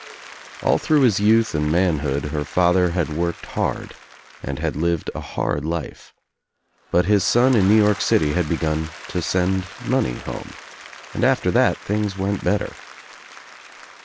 All through his youth and manhood her father had worked hard and had lived a hard life, but his son in New York City had begun to send money home, and after that things went better.